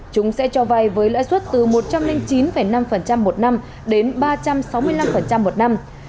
chúng sẽ cho vai với lãi suất từ một trăm linh chín năm một năm đến ba trăm sáu mươi năm một năm